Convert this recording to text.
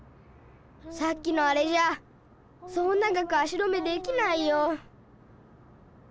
さっきのあれじゃそう長く足止めできないよ。